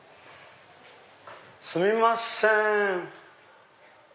すみません！